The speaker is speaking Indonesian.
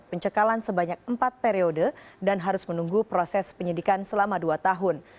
pencekalan sebanyak empat periode dan harus menunggu proses penyidikan selama dua tahun